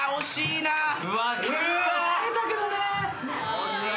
惜しい。